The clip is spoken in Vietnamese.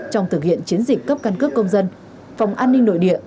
trong thực hiện chiến dịch cấp căn cước công dân phòng an ninh nội địa